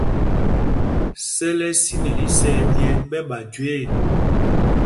Sɛl ɛ́ ɛ́ sinɛl isɛɛ ɓyɛ́ ɓɛ ɓa jüe ɛ̂.